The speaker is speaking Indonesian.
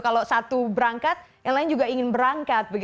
kalau satu berangkat yang lain juga ingin berangkat